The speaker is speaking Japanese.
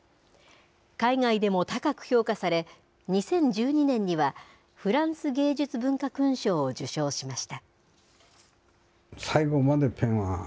海外でも高く評価され、２０１２年にはフランス芸術文化勲章を受章しました。